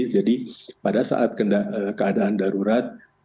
jadi pada saat keadaan darurat